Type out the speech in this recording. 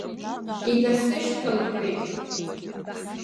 Инасышьҭалҳәеит.